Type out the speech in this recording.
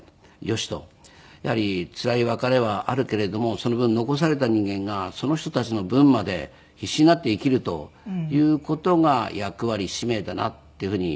やはりつらい別れはあるけれどもその分残された人間がその人たちの分まで必死になって生きるという事が役割使命だなっていうふうに。